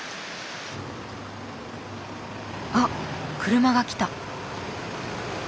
あっ車が来た。